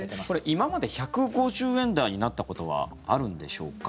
今まで１５０円台になったことはあるんでしょうか。